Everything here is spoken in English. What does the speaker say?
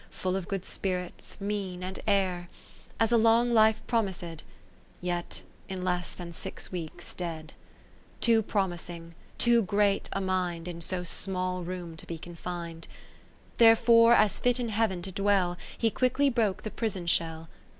Full of good spirits, mien, and air, As a long life promised, Yet, in less than six weeks dead. lo Too promising, too great a mind In so small room to be confin'd : Therefore, as fit in Heav'n to dwell. He quickly broke the prison shell.